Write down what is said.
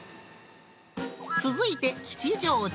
続いて、吉祥寺。